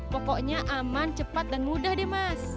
pokoknya aman cepat dan mudah deh mas